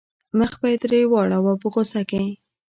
مخ به یې ترې واړاوه په غوسه کې.